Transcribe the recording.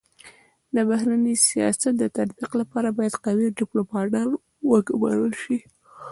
د بهرني سیاست د تطبیق لپاره بايد قوي ډيپلوماتان و ګمارل سي.